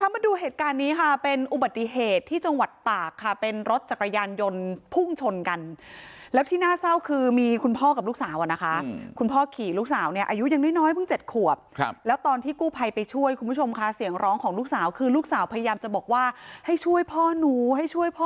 มาดูเหตุการณ์นี้ค่ะเป็นอุบัติเหตุที่จังหวัดตากค่ะเป็นรถจักรยานยนต์พุ่งชนกันแล้วที่น่าเศร้าคือมีคุณพ่อกับลูกสาวอ่ะนะคะคุณพ่อขี่ลูกสาวเนี่ยอายุยังน้อยเพิ่ง๗ขวบครับแล้วตอนที่กู้ภัยไปช่วยคุณผู้ชมค่ะเสียงร้องของลูกสาวคือลูกสาวพยายามจะบอกว่าให้ช่วยพ่อหนูให้ช่วยพ่อ